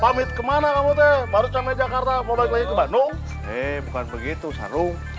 pamit kemana kamu teh baru sampai jakarta kalau ke bandung eh bukan begitu sarung